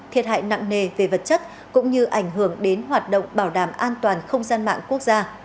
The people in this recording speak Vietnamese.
thiệt hại nặng nề về vật chất cũng như ảnh hưởng đến hoạt động bảo đảm an toàn không gian mạng quốc gia